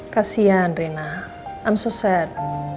kasian rena i'm so sad